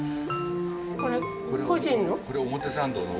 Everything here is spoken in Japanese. これ個人の？